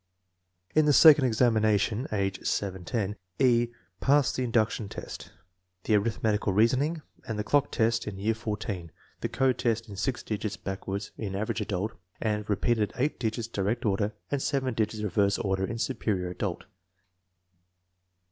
In the second examination (age 7 10) E. passed the induction test, 2 the arithmetical reasoning and the clock test in year 14, the code test and six digits back ward in Average Adult, and repeated eight digits direct order and seven digits reverse order in Superior Adult.